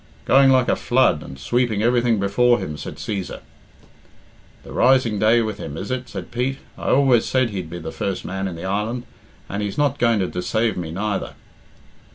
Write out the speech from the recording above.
"Going like a flood, and sweeping everything before him," said Cæsar. "The rising day with him, is it?" said Pete. "I always said he'd be the first man in the island, and he's not going to deceave me neither."